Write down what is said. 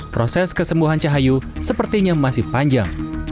proses kesembuhan cahayu sepertinya masih panjang